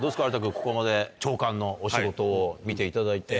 ここまで長官のお仕事を見ていただいて。